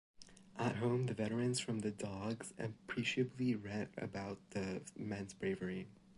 At home, the veterans from the "Dogs" appreciably read about the men's bravery.